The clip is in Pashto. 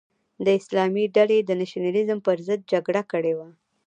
د اسلامي ډلې د نشنلیزم پر ضد جګړه کړې وه.